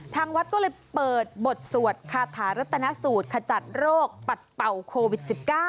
ทางวัดก็เลยเปิดบทสวดคาถารัตนสูตรขจัดโรคปัดเป่าโควิด๑๙